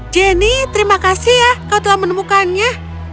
jenny terima kasih ya kau telah menemukannya